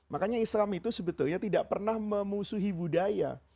makanya islam itu sebetulnya tidak pernah memusuhi budaya